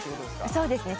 そうですね。